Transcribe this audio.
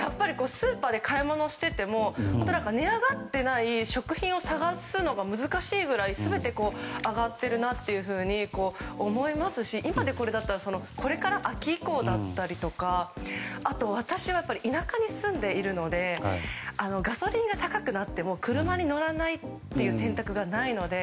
スーパーで買い物をしていても値上がっていない食品を探すのが難しいぐらい全て上がっていると思いますし今でこれだったらこれから秋以降であったりとかあと、私は田舎に住んでいるのでガソリンが高くなっても車に乗らないっていう選択がないので。